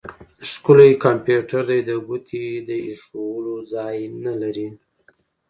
ښکلی کمپيوټر دی؛ د ګوتې د اېښول ځای نه لري.